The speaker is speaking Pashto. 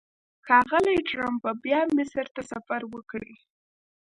ښاغلی ټرمپ به بیا مصر ته سفر وکړي.